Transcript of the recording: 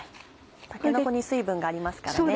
たけのこに水分がありますからね。